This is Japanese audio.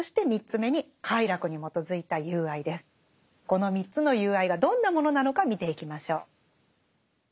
この３つの友愛がどんなものなのか見ていきましょう。